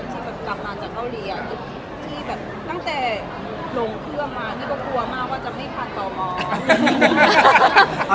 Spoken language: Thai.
มาจากเผาเรียมที่แบบหลงเครื่องอ่านน่ากลัวมากว่าจะไม่พันต่อมอง